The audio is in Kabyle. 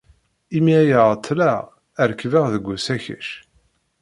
Imi ay ɛeḍḍleɣ, rekbeɣ deg usakac.